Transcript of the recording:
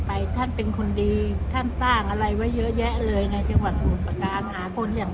ไปท่านเป็นคนดีท่านสร้างยังไงเยอะแย้เลยในจังหวัดหุวปากราน